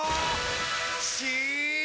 し！